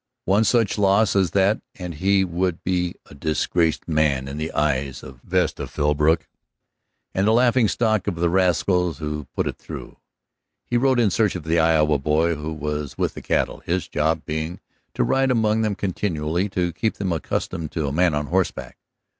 One such loss as that and he would be a disgraced man in the eyes of Vesta Philbrook, and the laughing stock of the rascals who put it through. He rode in search of the Iowa boy who was with the cattle, his job being to ride among them continually to keep them accustomed to a man on horseback.